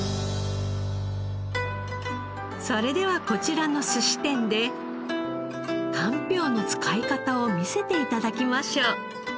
それではこちらの寿司店でかんぴょうの使い方を見せて頂きましょう。